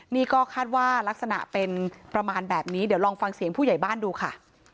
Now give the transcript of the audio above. นี่ก็คาดว่าลักษณะเป็นประมาณแบบนี้เดี๋ยวลองฟังเสียงผู้ใหญ่บ้านดูค่ะ